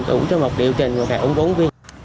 đủ cho một liệu trình và các ủng hộ viên